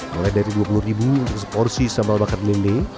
mulai dari dua puluh ribu seporsi sambal bakar lende